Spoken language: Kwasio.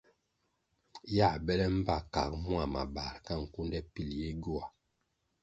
Yā bele mbpa kag mua mabar ka nkunde pil ye gyoa.